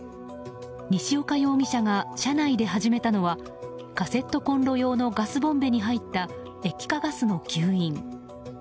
西岡容疑者が車内で始めたのはカセットコンロ用のガスボンベに入った液化ガスの吸引。